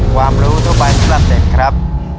ความรู้ทั่วไปสำหรับเด็กครับ